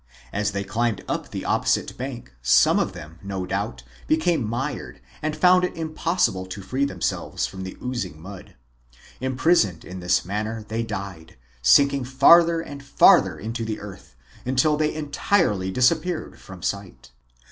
As they climbed up the opposite bank some of them, no doubt, became mired and found it impossible to free themselves from the oozing mud. Imprisoned in this manner they died, sinking farther and farther into the earth until they entirely disappeared from sight.